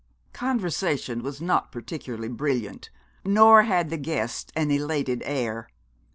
Conversation was not particularly brilliant, nor had the guests an elated air.